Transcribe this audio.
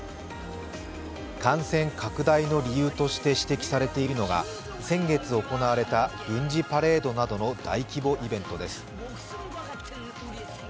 感染拡大の理由として指摘されているのが先月行われた軍事パレードなどの大規模イベントです。